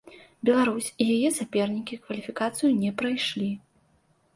Беларусь і яе сапернікі кваліфікацыю не прайшлі.